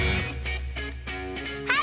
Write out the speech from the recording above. はい！